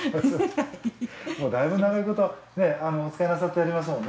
だいぶ長いことお使いなさっておりますもんね。